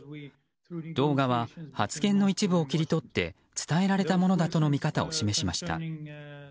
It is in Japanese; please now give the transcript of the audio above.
動画は発言の一部を切り取って伝えられたものだとの見方を示しました。